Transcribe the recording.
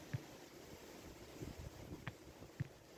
Xalq sevib o‘qishi uchun kitob taqdimoti bo‘lishi shart emas.